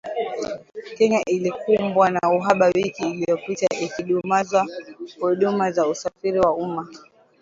Kenya ilikumbwa na uhaba wiki iliyopita, ikidumaza huduma za usafiri wa umma